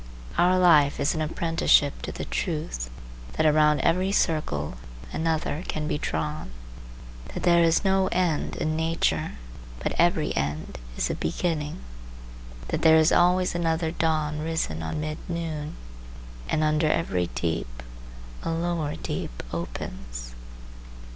Our life is an apprenticeship to the truth that around every circle another can be drawn; that there is no end in nature, but every end is a beginning; that there is always another dawn risen on mid noon, and under every deep a lower deep opens.